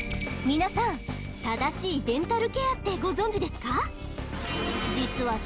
皆さん正しいデンタルケアってご存じですか？